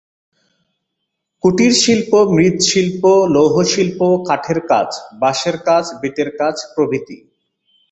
কুটিরশিল্প মৃৎশিল্প, লৌহশিল্প, কাঠের কাজ, বাঁশের কাজ, বেতের কাজ প্রভৃতি।